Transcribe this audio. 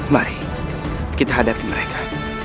mari kita hadapi mereka